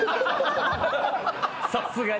さすがに。